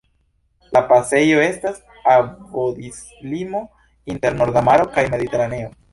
La pasejo estas akvodislimo inter Norda Maro kaj Mediteraneo.